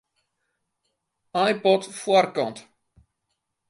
iPod foarkant.